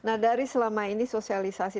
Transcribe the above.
nah dari selama ini sosialisasi